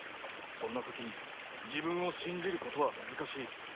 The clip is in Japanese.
そんな時に自分を信じる事は難しい。